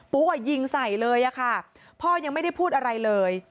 ยิงใส่เลยอะค่ะพ่อยังไม่ได้พูดอะไรเลย